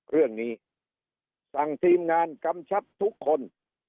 เรื่องนี้สั่งทีมงานกำชับทุกคน